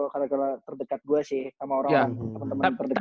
keluarga terdekat gue sih sama orang